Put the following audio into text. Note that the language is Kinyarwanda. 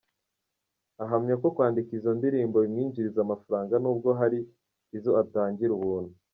Ahamya ko kwandika izo ndirimbo bimwinjiriza amafaranga nubwo hari izo atangira ubuntu.